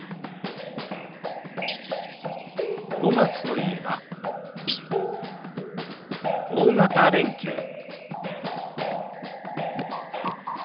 ５月といえば「大型連休」。